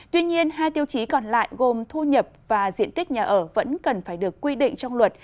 tuy nhiên hai tiêu chí còn lại gồm thu nhập và diện tích nhà ở vẫn cần phải được quy định trong luật